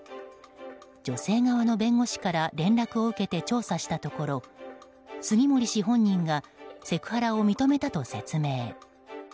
女性側の弁護士から連絡を受けて調査したところ杉森氏本人がセクハラを認めたと説明。